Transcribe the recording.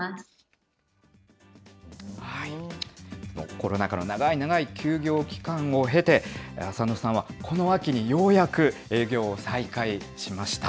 コロナ禍の長い長い休業期間を経て、朝野さんは、この秋にようやく営業を再開しました。